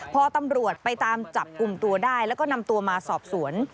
พอตำรวจไปตามจับกลุ่มตัวได้แล้วก็นำตัวมาสอบสวน